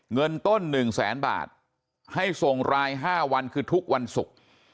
เงินต้น๑แสนบาทให้ส่งราย๕วันคือทุกวันศุกร์